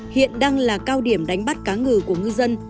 hiện đang là cao điểm đánh bắt cá ngừ của ngư dân